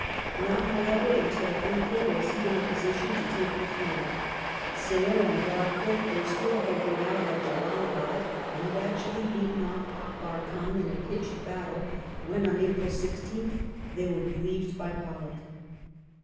Not, however, until April was he in a position to take the field. Sale and Broadfoot were still holding out at Jalalabad and had actually beaten off Akbar Khan in a pitched battle, when, on April 16th, they were relieved by Pollock.